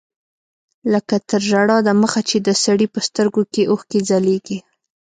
لکه تر ژړا د مخه چې د سړي په سترګو کښې اوښکې ځلېږي.